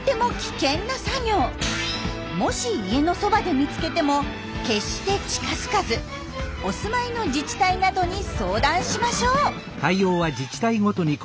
もし家のそばで見つけても決して近づかずお住まいの自治体などに相談しましょう。